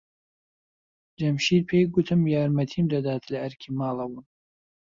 جەمشید پێی گوتم یارمەتیم دەدات لە ئەرکی ماڵەوەم.